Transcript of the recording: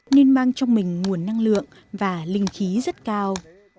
nên mang trong mình nguồn năng lượng và linh khí rất cao